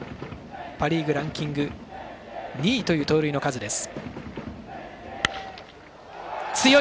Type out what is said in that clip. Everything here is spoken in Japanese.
パ・リーグランキング２位という盗塁の数です。